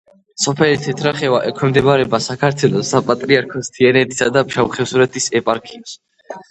სოფელი თეთრახევა ექვემდებარება საქართველოს საპატრიარქოს თიანეთისა და ფშავ-ხევსურეთის ეპარქიას.